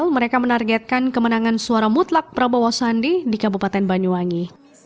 mereka menargetkan kemenangan suara mutlak prabowo sandi di kabupaten banyuwangi